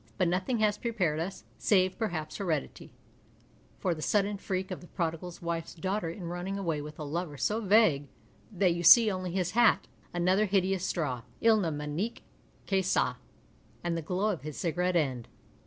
But nothing has prepared us (save, perhaps, heredity) for the sudden freak of the prodigal wife's daughter in running away with a lover so vague that you see only his hat (another hideous straw — il ne manquait que ca !) and the glow of his cigarette end.